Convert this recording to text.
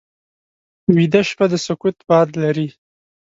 ویده شپه د سکوت باد لري